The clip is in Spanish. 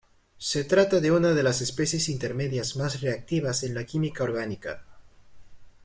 Se trata de una de las especies intermedias más reactivas en la química orgánica.